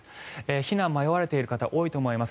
避難を迷われている方多いと思います。